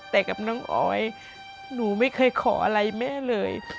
แต่กับน้องออยหนูไม่เคยขออะไรแม่เลย